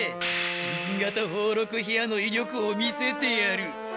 新型宝禄火矢の威力を見せてやる。